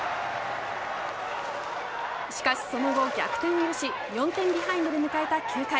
しかし、その後逆転を許し４点ビハインドで迎えた９回。